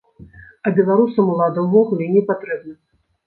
А беларусам улада ўвогуле не патрэбна.